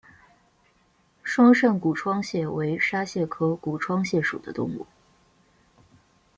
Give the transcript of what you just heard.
双扇股窗蟹为沙蟹科股窗蟹属的动物。